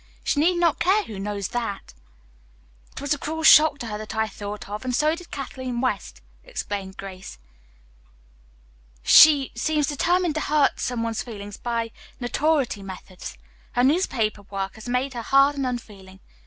She need not care who knows that." "It was the cruel shock to her that I thought of, and so did Kathleen West," explained Grace. "She seems determined to hurt some one's feelings by 'notoriety' methods. Her newspaper work has made her hard and unfeeling.